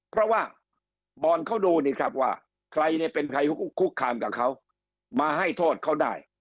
เพราะว่าบอนเขาดูว่าใครคุกคามกับเขามาให้โทษเขาได้